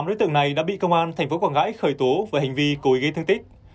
tám đối tượng này đã bị công an tp quảng ngãi khởi tố về hành vi cố ý gây thương tích